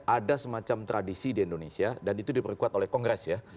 ada semacam tradisi di indonesia dan itu diperkuat oleh kongres ya